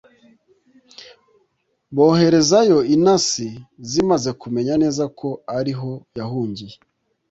boherezayo intasi, zimaze kumenya neza ko ari ho yahungiye